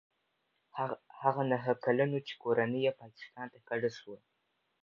هغه نهه کلن و چې کورنۍ یې پاکستان ته کډه شوه.